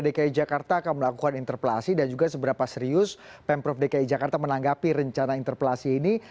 dki jakarta akan melakukan interpelasi dan juga seberapa serius pemprov dki jakarta menanggapi rencana interpelasi ini